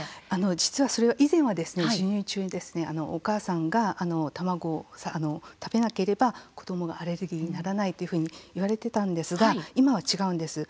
実はそれは以前は授乳中にお母さんが卵を食べなければ子どもがアレルギーにならないというふうにいわれてたんですが今は違うんです。